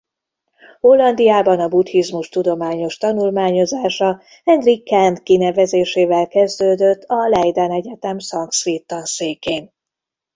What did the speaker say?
Hollandiában a buddhizmus tudományos tanulmányozása Hendrik Kern kinevezésével kezdődött a Leiden Egyetem szanszkrit tanszékén.